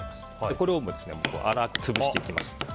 これを粗く潰していきます。